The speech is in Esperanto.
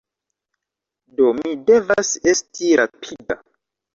Do, mi devas esti rapida